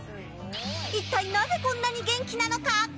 いったいなぜこんなに元気なのか。